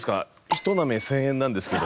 １舐め１０００円なんですけど。